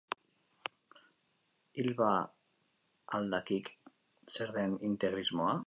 Hik ba al dakik zer den integrismoa?